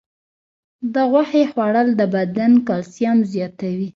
د غوښې خوړل د بدن کلسیم زیاتوي.